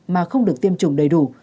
mà không được tiêm chủng đầy đủ